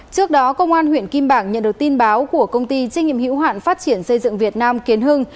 trước đó công an huyện kim bảng nhận được tin báo của công ty trách nhiệm hữu hoạn phát triển xây dựng việt nam kiến hưng